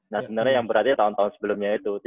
nah sebenernya yang berarti tahun tahun sebelumnya itu